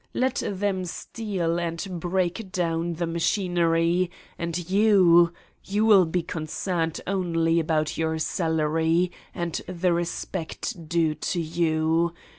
Let them steal and break down the machinery and you you will be concerned only about your salary and the respect due you?